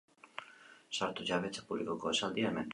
Sartu jabetza publikoko esaldia hemen